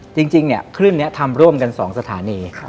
จริงจริงเนี้ยคลื่นเนี้ยทำร่วมกันสองสถานีครับ